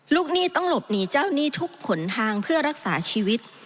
หนี้ต้องหลบหนีเจ้าหนี้ทุกหนทางเพื่อรักษาชีวิต